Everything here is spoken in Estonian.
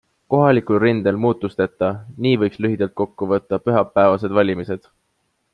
Kohalikul rindel muutusteta - nii võiks lühidalt kokku võtta pühapäevased valimised.